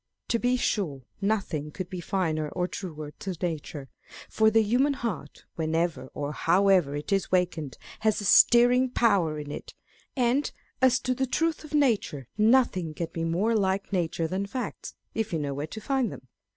To be sure, nothing could be finer or truer to nature ; for the human heart, whenever or however it is wakened, has a stirring power in it, and as to the truth of nature, nothing can be more like nature than facts, if you know where to find them.